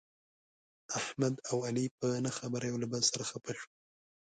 احمد او علي په نه خبره یو له بل سره خپه شول.